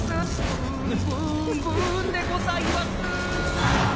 ブンブンブンでございます。